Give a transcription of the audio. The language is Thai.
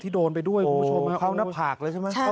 ที่โดนไปด้วยโอ้เข้าหน้าผากเลยใช่ไหมใช่